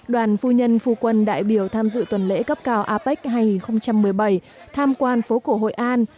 đoàn phu nhân phu quân đại biểu tham dự tuần lễ cấp cao apec hai nghìn một mươi bảy tham quan phố cổ hội an